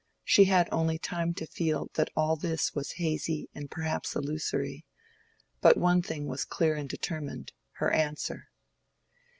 She had only time to feel that all this was hazy and perhaps illusory; but one thing was clear and determined—her answer.